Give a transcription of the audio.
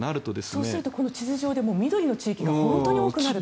そうするとこの地図上で緑の地域が本当に多くなる。